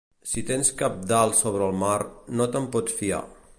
Si tens cabdal sobre el mar, no te'n pots fiar.